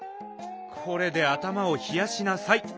これであたまをひやしなさい。